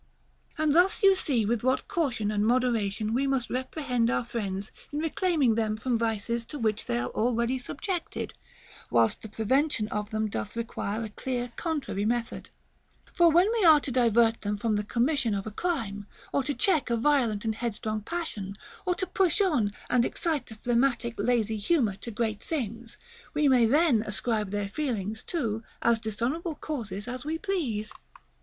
And thus you see with what caution and moderation we * II. VI. 347. t II. VI. 326. } II. IX. 109. FROM A FRIEND. 155 must reprehend our friends in reclaiming them from vices to which they are already subjected ; whilst the prevention of them doth require a clear contrary method. For when we are to divert them from the commission of a crime, or to check a violent and headstrong passion, or to push on and excite a phlegmatic lazy humor to great things, we may then ascribe their failings to as dishonorable causes as we please.